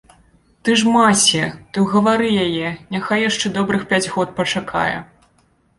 Ты ж маці, ты ўгавары яе, няхай яшчэ добрых пяць год пачакае.